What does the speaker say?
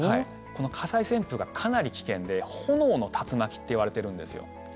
この火災旋風がかなり危険で炎の竜巻っていわれているんですよ。